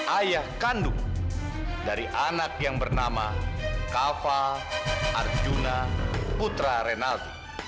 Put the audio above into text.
ayah kandung dari anak yang bernama kava arjuna putra renalti